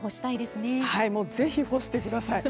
ぜひ、干してください。